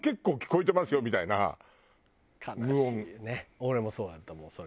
俺もそうだったもんそれ。